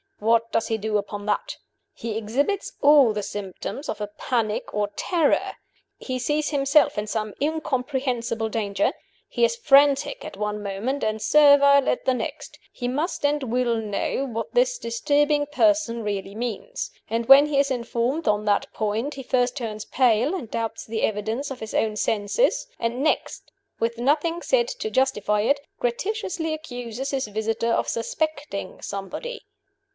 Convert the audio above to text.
What does he do upon that? "He exhibits all the symptoms of a panic of terror; he sees himself in some incomprehensible danger; he is frantic at one moment and servile at the next; he must and will know what this disturbing person really means. And when he is informed on that point, he first turns pale and doubts the evidence of his own senses; and next, with nothing said to justify it, gratuitously accuses his visitor of suspecting somebody.